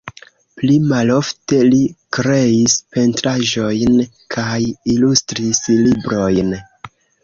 Pli malofte li kreis pentraĵojn kaj ilustris librojn.